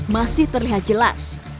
masih terlihat jelas